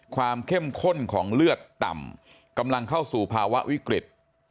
เข้มข้นของเลือดต่ำกำลังเข้าสู่ภาวะวิกฤต